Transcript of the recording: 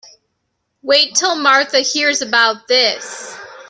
Wait till Martha hears about this.